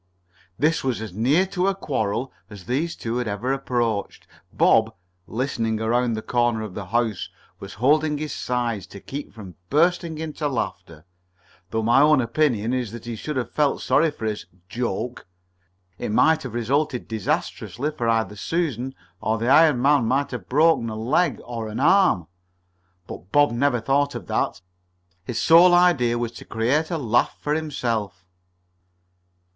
This was as near to a quarrel as these two had ever approached. Bob, listening around the corner of the house, was holding his sides to keep from bursting into laughter, though my own opinion is that he should have felt sorry for his "joke." It might have resulted disastrously, for either Susan or the hired man might have broken a leg or an arm. But Bob never thought of that. His sole idea was to create a laugh for himself.